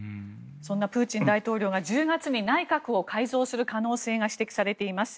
そんなプーチン大統領が１０月に内閣を改造する可能性が指摘されています。